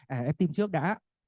à em tìm trước đã